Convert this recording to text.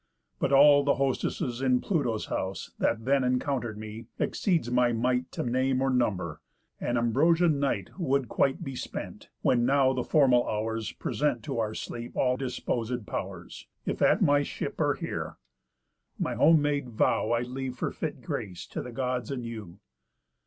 But, all th' heroesses in Pluto's house That then encounter'd me, exceeds my might To name or number, and ambrosian night Would quite be spent, when now the formal hours Present to sleep our all disposéd pow'rs, If at my ship, or here. My home made vow I leave for fit grace to the Gods and you."